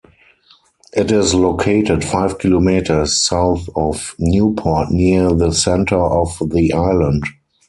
It is located five kilometres south of Newport near the centre of the island.